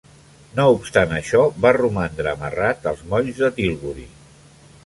No obstant això, va romandre amarrat als molls de Tilbury.